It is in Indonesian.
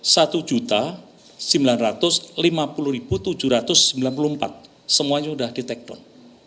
semuanya sudah di takedown